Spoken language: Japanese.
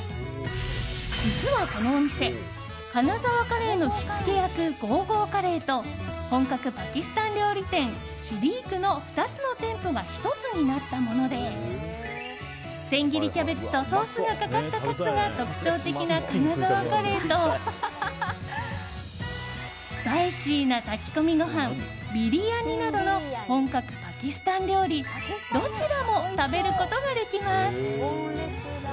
実はこのお店、金沢カレーの火付け役、ゴーゴーカレーと本格パキスタン料理店シディークの２つの店舗が１つになったもので千切りキャベツとソースがかかったカツが特徴的な金沢カレーとスパイシーな炊き込みご飯ビリヤニなどの本格パキスタン料理どちらも食べることができます。